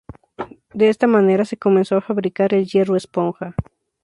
De esta manera se comenzó a fabricar el hierro esponja.